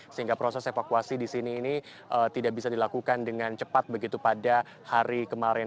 sehingga proses evakuasi di sini ini tidak bisa dilakukan dengan cepat begitu pada hari kemarin